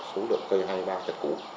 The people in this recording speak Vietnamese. số lượng cây hai mươi ba chặt củ